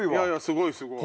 すごいすごい！